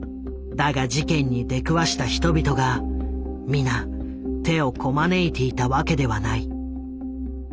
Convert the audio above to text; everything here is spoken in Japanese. だが事件に出くわした人々が皆手をこまねいていたわけではない。